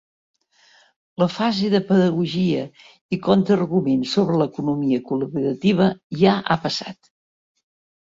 La fase de pedagogia i contraarguments sobre l’economia col·laborativa ja ha passat.